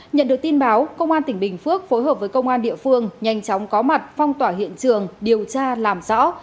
nhận được tin báo công an tỉnh bình phước phối hợp với công an địa phương nhanh chóng có mặt phong tỏa hiện trường điều tra làm rõ